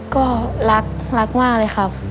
ก็รักรักมากเลยครับ